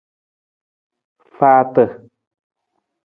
Faata.